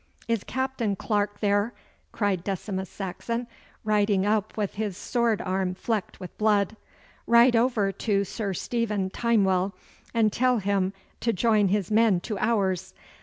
'Is Captain Clarke there?' cried Decimus Saxon, riding up with his sword arm flecked with blood. 'Ride over to Sir Stephen Timewell and tell him to join his men to ours.